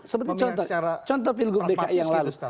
seperti contoh pilgub dki yang lalu